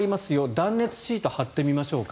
断熱シートを貼ってみましょうか。